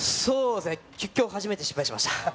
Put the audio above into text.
そうですね今日初めて失敗しました